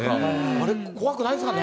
あれ怖くないんですかね。